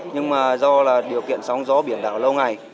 nhưng mà do là điều kiện sóng gió biển đảo lâu ngày